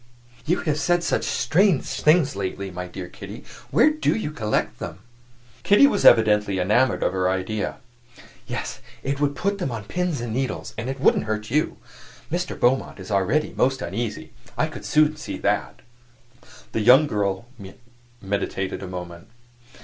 "You have said some such strange things lately. My dear Kitty, where do you collect them?" Kitty was evidently enamored of her idea. "Yes, it would put them on pins and needles, and it wouldn't hurt you. Mr. Beaumont is already most uneasy; I could soon see that." The young girl meditated a moment.